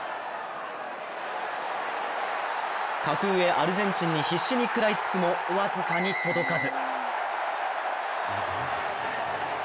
格上・アルゼンチンに必死に食らいつくも僅かに届かず。